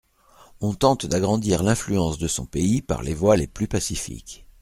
On tente d'agrandir l'influence de son pays par les voies les plus pacifiques.